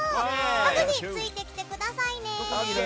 ハグについてきてくださいね。